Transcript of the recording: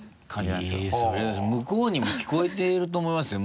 えっそれ向こうにも聞こえてると思いますよ。